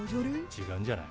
ちがうんじゃない？